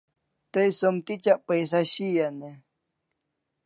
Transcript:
Tay som tichak paisa shian e?